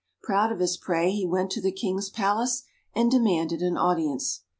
Proud of his prey, he went to the King's Palace, and demanded an audience.